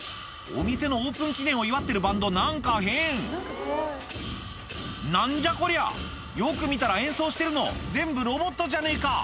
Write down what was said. お店のオープン記念を祝ってるバンド何か変何じゃこりゃよく見たら演奏してるの全部ロボットじゃねえか